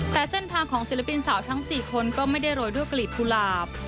แต่เส้นทางของศิลปินสาวทั้ง๔คนก็ไม่ได้โรยด้วยกลีบกุหลาบ